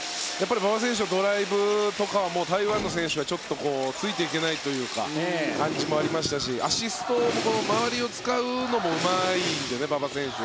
馬場選手のドライブとかは台湾の選手はついていけないというかそういう感じもありましたしアシストも周りを使うのもうまいので、馬場選手。